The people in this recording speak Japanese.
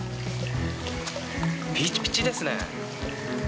ピチピチですね。